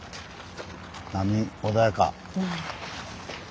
波穏やか。